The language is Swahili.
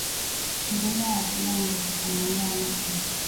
Ugonjwa wa mapele ya ngozi kwa ngombe hauna tiba